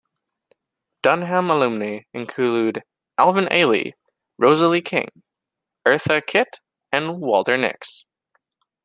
Dunham alumni include Alvin Ailey, Rosalie King, Eartha Kitt and Walter Nicks.